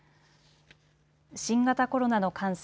新型コロナの感染